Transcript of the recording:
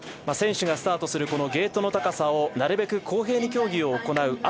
選手がスタートするゲートの高さをなるべく公平に競技を行う。